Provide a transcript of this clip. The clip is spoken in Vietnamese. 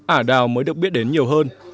ả đào mới được biết đến nhiều hơn